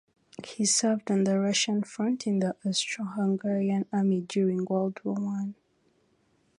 He served on the Russian front in the Austro-Hungarian army during World War One.